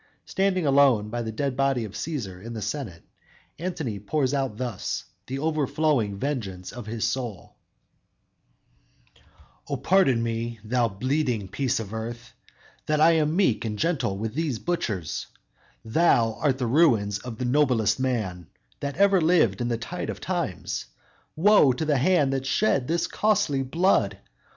Standing alone, by the dead body of Cæsar in the Senate, Antony pours out thus, the overflowing vengeance of his soul: _"O pardon me, thou bleeding piece of earth, That I am meek and gentle with these butchers; Thou art the ruins of the noblest man That ever lived in the tide of times. Woe to the hand that shed this costly blood!